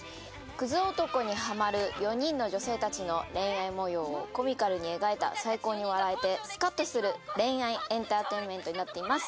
クズ男にハマる４人の女性たちの恋愛模様をコミカルに描いた最高に笑えてスカッとする恋愛エンターテインメントになっています